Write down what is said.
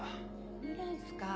オムライスか